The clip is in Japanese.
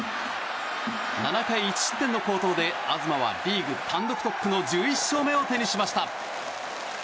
７回１失点の好投で東はリーグ単独トップの１１勝目を手にしました。